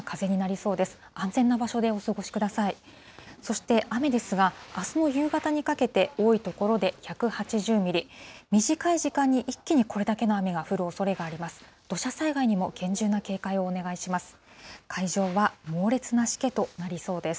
そして雨ですが、あすの夕方にかけて多い所で１８０ミリ、短い時間に、一気にこれだけの雨が降るおそれがあります。